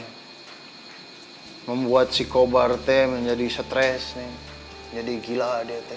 hai membuat si kobar teh menjadi stres neng jadi gila dia teh